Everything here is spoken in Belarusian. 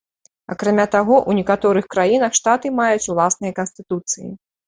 Акрамя таго, у некаторых краінах штаты маюць уласныя канстытуцыі.